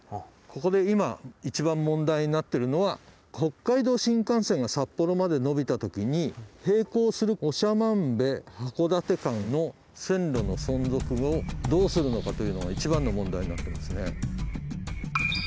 ここで今一番問題になってるのは北海道新幹線が札幌まで延びたときに並行する長万部函館間の線路の存続をどうするのかというのが一番の問題になってますね。